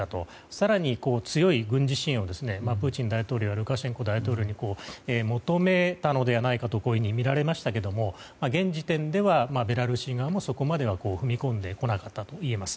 更に強い軍事支援をプーチン大統領はルカシェンコ大統領に求めたのではないかとみられましたけども現時点ではベラルーシ側もそこまでは踏み込んでこなかったといえます。